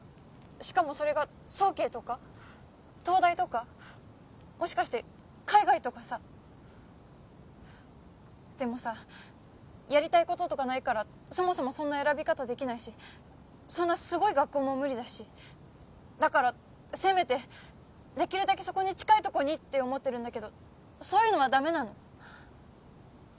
しかもそれが早慶とか東大とかもしかして海外とかさでもさやりたいこととかないからそもそもそんな選び方できないしそんなすごい学校も無理だしだからせめてできるだけそこに近いとこにって思ってるんだけどそういうのはダメなの？